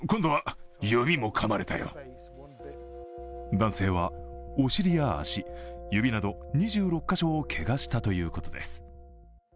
男性は、お尻や足、指など２６カ所をけがしたということです。